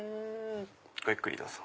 ごゆっくりどうぞ。